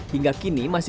hingga kini masih berdiri